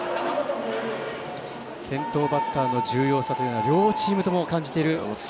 先頭バッターの重要さというのは両チームとも感じている